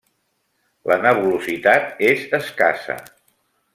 La nebulositat és escassa.